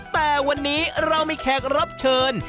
แต่วันนี้เรามีแขกรับเชิญ